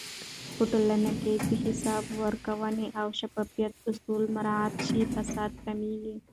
په ټولنه کې چې د حساب ورکونې او شفافيت اصول مراعات شي، فساد کمېږي.